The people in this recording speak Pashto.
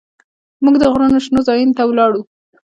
موږ د غرونو شنو ځايونو ته ولاړو.